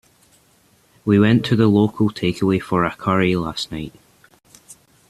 We went to the local takeaway for a curry last night